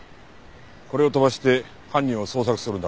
これを飛ばして犯人を捜索するんだな。